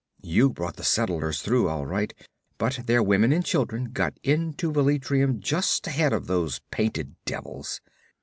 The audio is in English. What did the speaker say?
You brought the settlers through all right, but their women and children got into Velitrium just ahead of those painted devils.